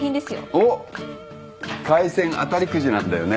おっ海鮮当たりクジなんだよね。